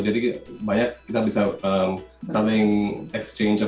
jadi banyak kita bisa saling exchange gitu ya